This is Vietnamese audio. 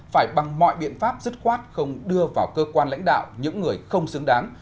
phải bằng mọi biện pháp dứt khoát không đưa vào cơ quan lãnh đạo những người không xứng đáng